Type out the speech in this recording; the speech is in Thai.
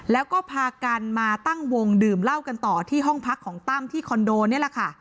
แล้วก็พากันมาตั้งวงดื่มเหล้ากันต่อที่ห้องพักของตั้มที่คอนโดนี่แหละค่ะ